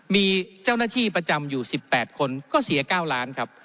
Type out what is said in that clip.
มีเจ้าหน้าที่ประจำอยู่๑๘คนก็เสีย๙ล้านครับ